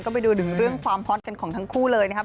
ก็ไปดูถึงเรื่องความฮอตกันของทั้งคู่เลยนะครับ